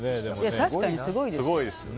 確かにすごいです。